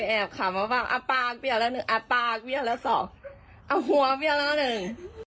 แอบขามาเปล่าปากเปรี้ยวแล้วหนึ่งปากเปรี้ยวแล้วสองหัวเปรี้ยวแล้วหนึ่ง